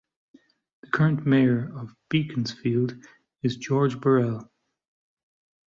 The current mayor of Beaconsfield is Georges Bourelle.